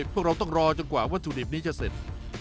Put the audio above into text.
พวกเราต้องรอจนกว่าวัตถุดิบนี้จะเสร็จ